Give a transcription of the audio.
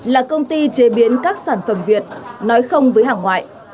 là công ty chế biến các sản phẩm việt nói không với hàng ngoại